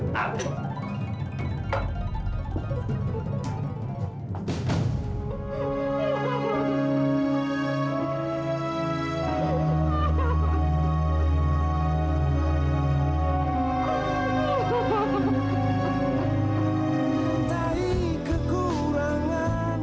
masuk kamar masuk kamar